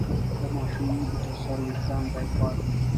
د ماشوم د سر ویښتان باید پاک وي۔